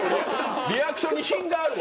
リアクションに品があるわ。